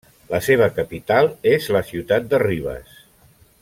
La seva capital és la ciutat de Rivas.